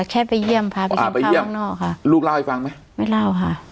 แค่ไปเยี่ยมพาไปเยี่ยมข้าวข้างนอกค่ะอ่าไปเยี่ยมลูกเล่าให้ฟังไหมไม่เล่าค่ะ